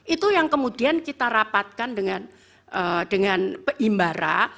itu yang kemudian kita rapatkan dengan imbara